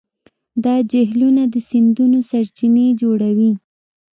دا جهیلونه د سیندونو سرچینې جوړوي.